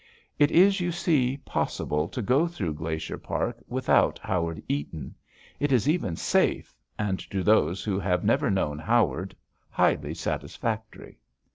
It is, you see, possible to go through Glacier Park without Howard Eaton. It is even safe, and, to those who have never known Howard, highly satisfactory.